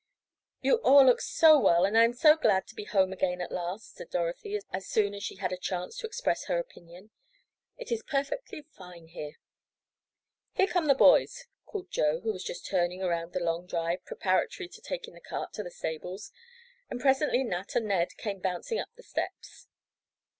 "You all look so well, and I am so glad to be home again at last," said Dorothy as soon as she had a chance to express her opinion. "It is perfectly fine here." "Here come the boys!" called Joe, who was just turning around on the long drive, preparatory to taking the cart to the stables, and presently Nat and Ned came bouncing up the steps.